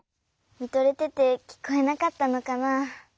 みとれててきこえなかったのかな。